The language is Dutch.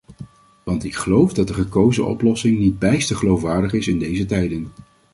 Want ik geloof dat de gekozen oplossing niet bijster geloofwaardig is in deze tijden.